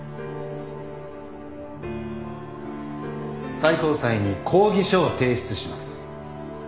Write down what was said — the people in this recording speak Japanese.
最高裁に抗議書を提出します。